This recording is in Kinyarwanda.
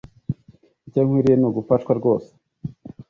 Icyo nkwiriye n'ugufashwa rwose.